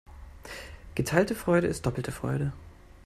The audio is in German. Geteilte Freude ist doppelte Freude.